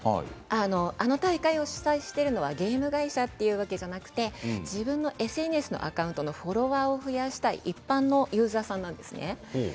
あの大会を主催しているのはゲーム会社というわけではなくて自分のＳＮＳのフォロワーを増やしたい一般のユーザーさんなんです。